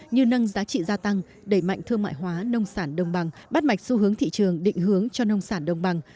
như nâng giá trị gia tăng đẩy mạnh thương mại hóa nông sản đồng bằng bắt mạch xu hướng thị trường định hướng cho nông sản đồng bằng